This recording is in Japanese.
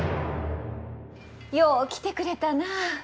よう来てくれたなあ。